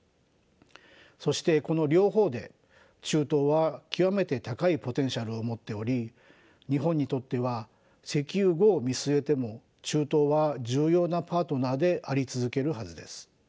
そしてこの両方で中東は極めて高いポテンシャルを持っており日本にとっては石油後を見据えても中東は重要なパートナーであり続けるはずです。